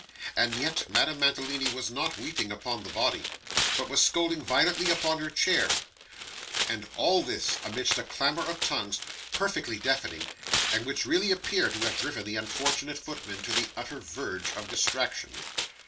And yet Madame Mantalini was not weeping upon the body, but was scolding violently upon her chair; and all this amidst a clamour of tongues perfectly deafening, and which really appeared to have driven the unfortunate footman to the utmost verge of distraction.